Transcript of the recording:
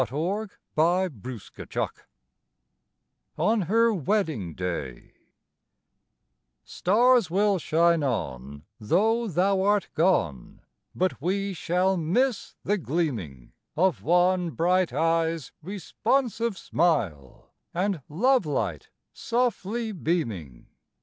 1882 TO WINNIE ON HER WEDDING DAY Stars will shine on, tho thou art gone, But we shall miss the gleaming Of one bright eye's responsive smile, And love light softly beaming.